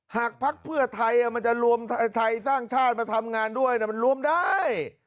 พักเพื่อไทยมันจะรวมไทยสร้างชาติมาทำงานด้วยมันรวมได้